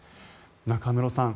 中室さん